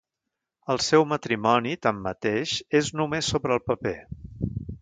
El seu matrimoni, tanmateix, és només sobre el paper.